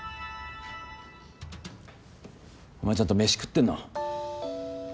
お前ちゃんと飯食ってんの？